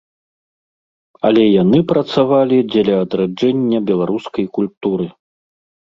Але яны працавалі дзеля адраджэння беларускай культуры.